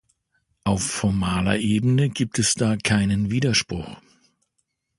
Auf formaler Ebene gibt es da keinen Widerspruch.